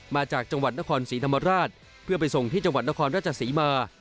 มาจากจังหวัดนครศรีธรรมราชเพื่อไปส่งที่จังหวัดนครราชศรีมา